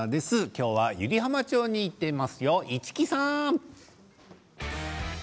今日は湯梨浜町に行っています市来さん！